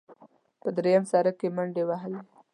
په درېیم سړک کې منډې ووهلې.